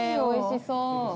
おいしそう。